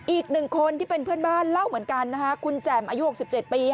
อีกหนึ่งคนที่เป็นเพื่อนบ้านเล่าเหมือนกันนะคะคุณแจ่มอายุ๖๗ปี